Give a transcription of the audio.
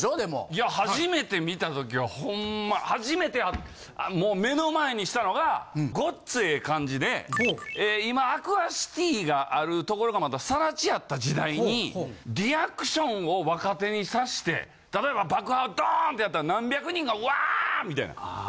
いや初めて見た時はほんま初めてもう目の前にしたのが『ごっつええ感じ』で今アクアシティがある所がまだ更地やった時代にリアクションを若手にさして例えば爆破ドーンってやったら何百人がわ！みたいな。